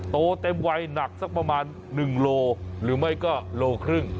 โตเต็มวัยหนักสักประมาณ๑โลหรือไม่ก็โลครึ่ง